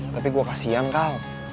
tapi gue kasihan kal